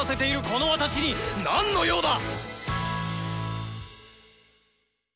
この私に何の用だ⁉